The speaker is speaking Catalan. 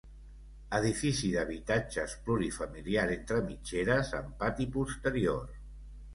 Edifici d'habitatges plurifamiliar entre mitgeres, amb pati posterior.